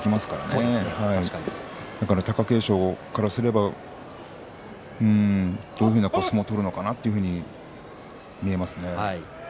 貴景勝からすれば北勝富士、どういう相撲を取るのかなというふうに見えます。